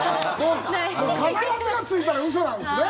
「必ず」がついたら嘘なんですね。